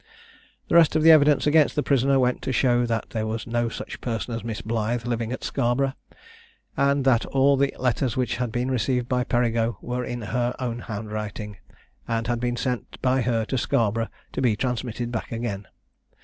The rest of the evidence against the prisoner went to show that there was no such person as Miss Blythe living at Scarborough, and that all the letters which had been received by Perigo were in her own handwriting, and had been sent by her to Scarborough to be transmitted back again.